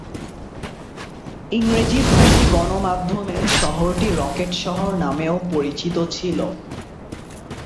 ইংরেজিভাষী গণমাধ্যমে শহরটি রকেট শহর নামেও পরিচিত ছিল।